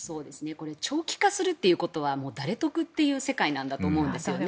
これ長期化するということは誰得ということだと思うんですね。